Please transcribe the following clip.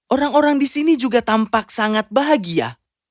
orang orang di sini juga tampak sangat bahagia